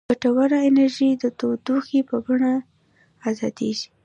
ګټوره انرژي د تودوخې په بڼه ازادیږي.